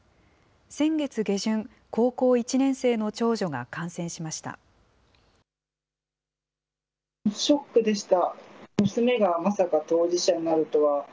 先月下旬、高校１年生の長女が感染しました。